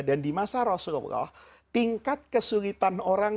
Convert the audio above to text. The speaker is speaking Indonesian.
dan di masa rasulullah tingkat kesulitan orang